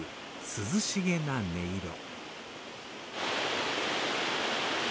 涼しげな音色。